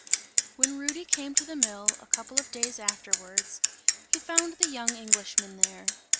When Rudy came to the mill, a couple of days afterwards, he found the young Englishman there.